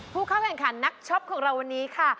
ผู้เข้าแข่งขันนักช็อปของเราวันนี้ค่ะ